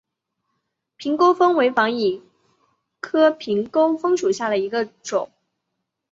秤钩风为防己科秤钩风属下的一个种。